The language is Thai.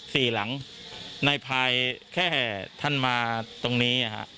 สี่หลังในภายแค่ท่านมาตรงนี้